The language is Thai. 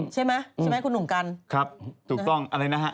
ใช่ไหมใช่ไหมคุณหนุ่มกันครับถูกต้องอะไรนะฮะ